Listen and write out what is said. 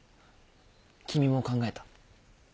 君も考えた？